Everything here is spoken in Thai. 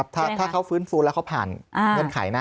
ถ้าเขาฟื้นฟูแล้วเขาผ่านเงื่อนไขนะ